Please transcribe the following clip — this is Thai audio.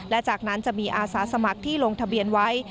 และจากนั้นจะมีอาสาสมัครที่ลงทะเบียนไว้